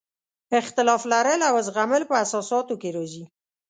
اختلاف لرل او زغمل په اساساتو کې راځي.